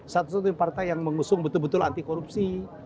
satu satunya partai yang mengusung betul betul anti korupsi